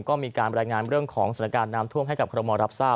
ก็มีการบรรยายงานเรื่องของสถานการณ์น้ำท่วมให้กับคอรมอลรับทราบ